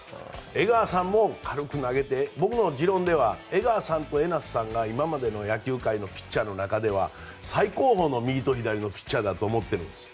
江川さんも軽く投げて僕の持論では江川さんと江夏さんが今までの野球界のピッチャーの中では最高峰の右と左のピッチャーだと思ってるんです。